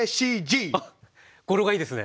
語呂がいいですね。